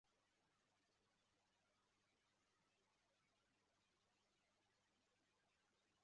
Ahagarara yambaye igicucu cye gusa nka kumwe